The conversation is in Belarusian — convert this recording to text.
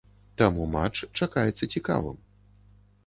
Таму матч чакаецца цікавым.